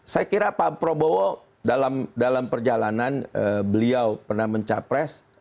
saya kira pak prabowo dalam perjalanan beliau pernah mencapres